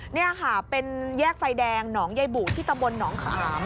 นี่ค่ะเป็นแยกไฟแดงหนองใยบูที่ตำบลหนองขาม